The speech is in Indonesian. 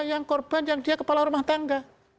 yang korban yang dia kepala rumah tangga